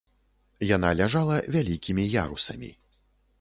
Яна ляжала вялікімі ярусамі.